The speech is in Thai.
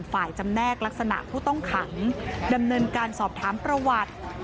จำแนกลักษณะผู้ต้องขังดำเนินการสอบถามประวัติ